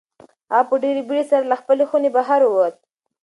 هغه په ډېرې بېړۍ سره له خپلې خونې بهر ووت.